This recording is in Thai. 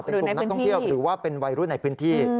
เป็นกลุ่มนักท่องเที่ยวหรือว่าเป็นวัยรุ่นในพื้นที่